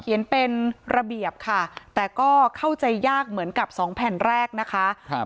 เป็นระเบียบค่ะแต่ก็เข้าใจยากเหมือนกับสองแผ่นแรกนะคะครับ